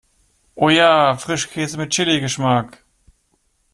Oh ja, Frischkäse mit Chili-Geschmack!